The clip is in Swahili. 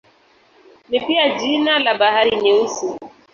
Ni pia jina la Bahari Nyeusi.